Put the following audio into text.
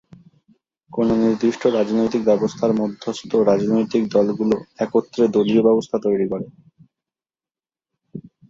কোন নির্দিষ্ট রাজনৈতিক ব্যবস্থার মধ্যস্থ রাজনৈতিক দলগুলো একত্রে দলীয় ব্যবস্থা তৈরি করে।